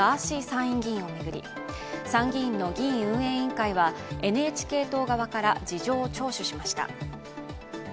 参院議員を巡り参議院の議院運営委員会はＮＨＫ党側から事情を聴取しました。